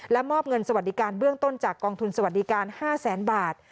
มอบเงินสวัสดิการเบื้องต้นจากกองทุนสวัสดิการ๕แสนบาท